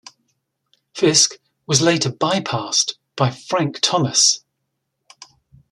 Fisk was later bypassed by Frank Thomas.